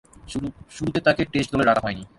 শুরুতে তাকে টেস্ট দলে রাখা হয়নি।